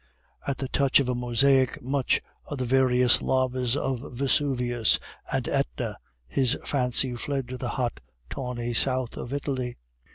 At the touch of a mosaic, made of various lavas from Vesuvius and Etna, his fancy fled to the hot tawny south of Italy.